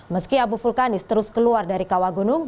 meski abu vulkanis terus keluar dari kawah gunung